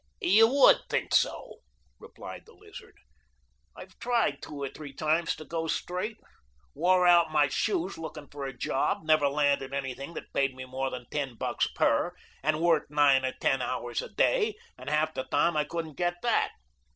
"You would think so," replied the Lizard. "I've tried two or three times to go straight. Wore out my shoes looking for a job. Never landed anything that paid me more than ten bucks per, and worked nine or ten hours a day, and half the time I couldn't get that."